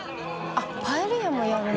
あっパエリアもやるの？